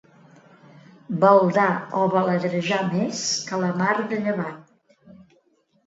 Baldar o baladrejar més que la mar de llevant.